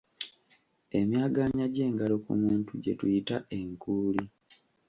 Emyagaanya gy’engalo ku muntu gye tuyita e nkuuli.